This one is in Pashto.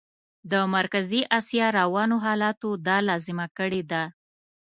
د مرکزي اسیا روانو حالاتو دا لازمه کړې ده.